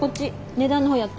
値段の方やった？